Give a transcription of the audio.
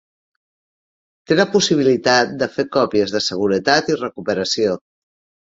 Té la possibilitat de fer còpies de seguretat i recuperació.